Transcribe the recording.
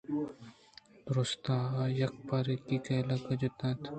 دُرٛستاں یکپارگی کہکاہے جت اَنت